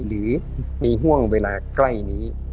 หรือในห่วงเวลาใกล้นี้